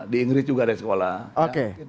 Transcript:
di inggris juga ada sekolah